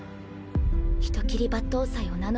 人斬り抜刀斎を名乗る